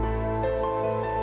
ya sudah olem